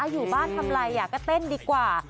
อยู่บ้านทำอะไรก็เต้นดีกว่า